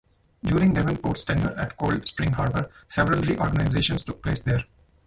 During Davenport's tenure at Cold Spring Harbor, several reorganizations took place there.